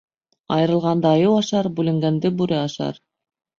Айырылғанды айыу ашар, бүленгәнде бүре ашар.